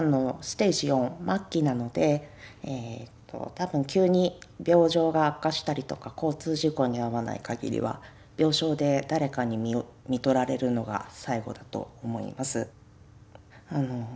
多分急に病状が悪化したりとか交通事故に遭わないかぎりは病床で誰かにみとられるのが最後だと思います。